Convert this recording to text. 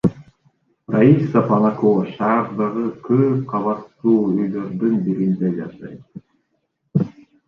Раиса Понакова шаардагы көп кабаттуу үйлөрдүн биринде жашайт.